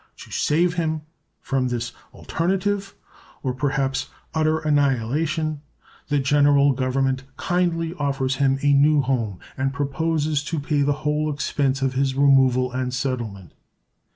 To save him from this alternative, or perhaps utter annihilation, the General Government kindly offers him a new home, and proposes to pay the whole expense of his removal and settlement.